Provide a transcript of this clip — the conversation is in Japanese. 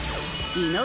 井上